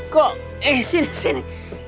kok eh sini sini